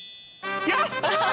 やった！